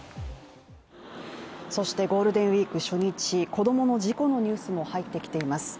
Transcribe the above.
そしてゴールデンウィーク初日、子供の事故のニュースも入ってきています